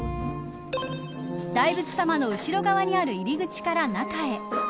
大仏さまの後ろ側にある入り口から中へ。